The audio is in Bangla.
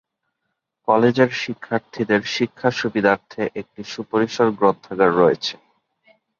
কলেজের শিক্ষার্থীদের শিক্ষা সুবিধার্থে একটি সুপরিসর গ্রন্থাগার রয়েছে।